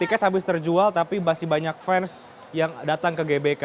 tiket habis terjual tapi masih banyak fans yang datang ke gbk